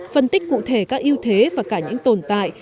phân tích cụ thể các ưu thế và cả những tồn tại